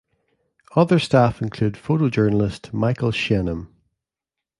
Other staff include photojournalist Michael Schennum.